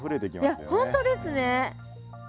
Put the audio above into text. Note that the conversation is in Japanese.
いやほんとですね。